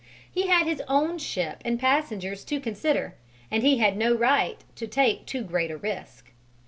He had his own ship and passengers to consider, and he had no right to take too great a risk.